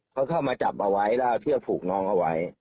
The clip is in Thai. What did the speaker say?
เขาเข้ามาจับเอาไว้แล้วเอาเชือกผูกน้องเอาไว้